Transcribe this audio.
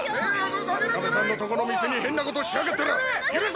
粕壁さんのとこの店に変なことしやがったら許さねぇぞ！